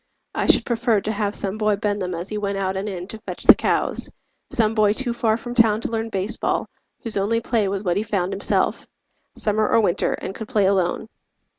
I should prefer to have some boy bend them As he went out and in to fetch the cows Some boy too far from town to learn baseball, Whose only play was what he found himself, Summer or winter, and could play alone.